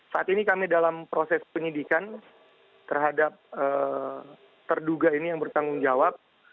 saat ini kami dalam proses penyidikan terhadap terduga ini yang bertanggung jawab